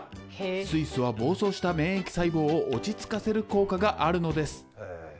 水素は暴走した免疫細胞を落ち着かせる効果があるのです。